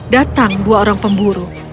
datang dua orang pemburu